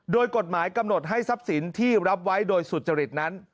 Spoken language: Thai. โดยกฎหมายกำหนดให้ทรัพย์สินที่รับไว้โดยสุจริตนั้น